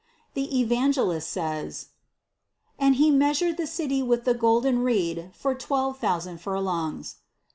279. The Evangelist says : "And he measured the city with the golden reed for twelve thousand furlongs."